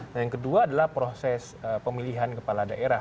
nah yang kedua adalah proses pemilihan kepala daerah